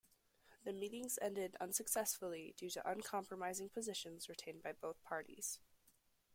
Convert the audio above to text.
The meetings ended unsuccessfully due to uncompromising positions retained by both parties.